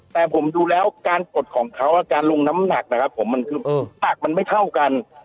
แต่ผมดูแล้วการกดของเขาการลงน้ำหนักนะครับผมมันคือผักมันไม่เท่ากัน